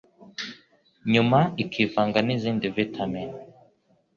nyuma ikivanga n'izindi vitamin